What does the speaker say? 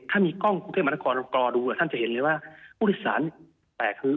ถ้ามีกล้องพูดเพศมากรอดูท่านจะเห็นเลยว่าผู้ธิสารแปลกคือ